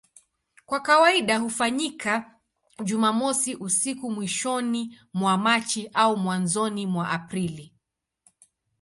Kwa kawaida hufanyika Jumamosi usiku mwishoni mwa Machi au mwanzoni mwa Aprili.